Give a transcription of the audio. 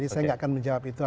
tunggu saja gitu kan